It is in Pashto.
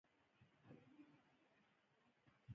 ایا زه باید ترش خواړه وخورم؟